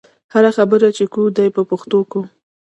هره خبره چې کوو دې په پښتو کوو.